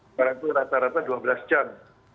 sekarang itu rata rata dua belas jam